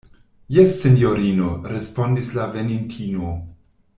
Jes, sinjorino, respondis la venintino.